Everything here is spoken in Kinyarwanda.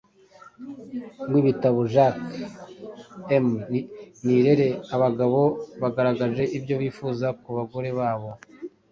wibitabo Jackie M Nirere, abagabo bagaragaje ibyo bifuza ku bagore babo